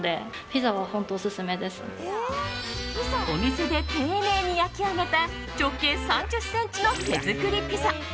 お店で丁寧に焼き上げた直径３０ｃｍの手作りピザ。